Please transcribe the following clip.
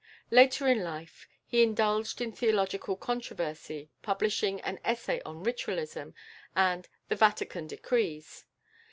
Later in life he indulged in theological controversy, publishing an "Essay on Ritualism" and "The Vatican Decrees."